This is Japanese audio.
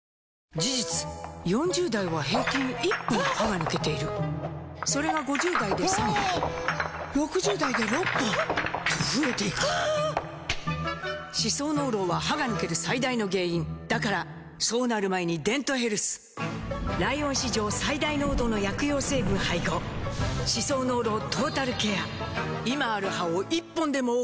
事実４０代は平均１本歯が抜けているそれが５０代で３本６０代で６本と増えていく歯槽膿漏は歯が抜ける最大の原因だからそうなる前に「デントヘルス」ライオン史上最大濃度の薬用成分配合歯槽膿漏トータルケア！